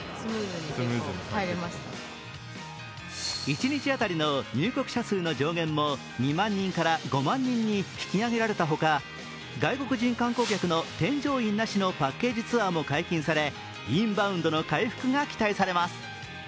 一日当たりの入国者数の上限も２万人から５万人に引き上げられたほか、外国人観光客の添乗員なしのパッケージツアーも解禁され、インバウンドの回復が期待されます。